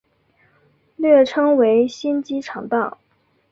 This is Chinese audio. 略称为新机场道。